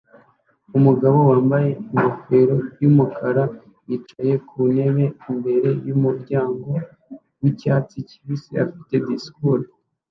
Umugabo wambaye ingofero yumukara yicaye ku ntebe imbere yumuryango wicyatsi kibisi ufite disikuru kuruhande rwe